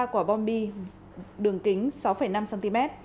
ba quả bom bi đường kính sáu năm cm